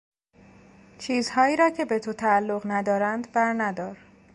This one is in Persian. چیزهایی را که به تو تعلق ندارند بر ندار!